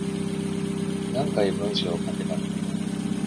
何回文章書けばいいんだ